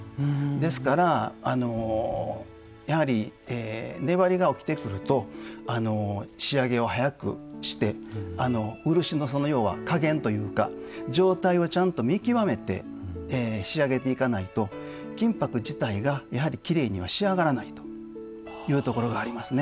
ですからやはり粘りが起きてくると仕上げを早くして漆の要は加減というか状態をちゃんと見極めて仕上げていかないと金箔自体がやはりきれいには仕上がらないというところがありますね。